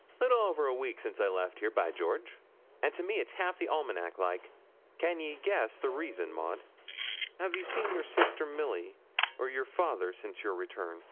'Little over a week since I left here, by George; and to me it's half the almanac like; can ye guess the reason, Maud?' 'Have you seen your sister, Milly, or your father, since your return?'